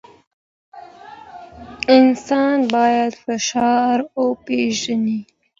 انسان باید فشار وپېژني.